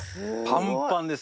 パンパンです。